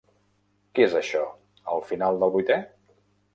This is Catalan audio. Què és això, el final del vuitè?